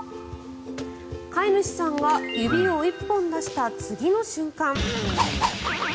飼い主さんが指を１本出した次の瞬間。